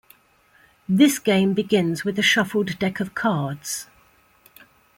This game begins with a shuffled deck of cards.